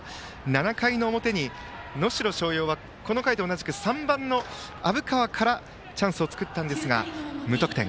７回表に能代松陽は、この回と同じく３番の虻川からチャンスを作ったんですが無得点。